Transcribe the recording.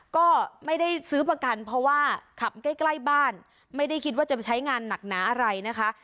ก็ไม่ได้ซื้อประกันเพราะว่าขับใกล้ใกล้บ้านไม่ได้คิดว่าจะใช้งานหนักหนาอะไรนะคะ